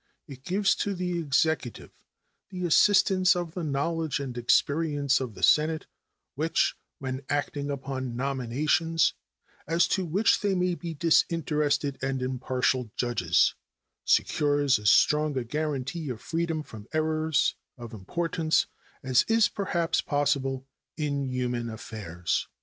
It gives to the Executive the assistance of the knowledge and experience of the Senate, which, when acting upon nominations as to which they may be disinterested and impartial judges, secures as strong a guaranty of freedom from errors of importance as is perhaps possible in human affairs.